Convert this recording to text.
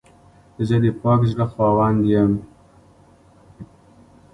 زه د پاک زړه خاوند یم.